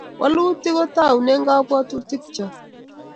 Walutik ko toune kapwatutik cho